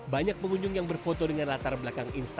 banyak pengunjung yang berfoto dengan latar belakang instagram